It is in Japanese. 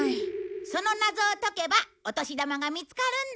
その謎を解けばお年玉が見つかるんだ。